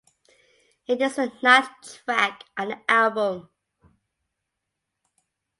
It is the ninth track on the album.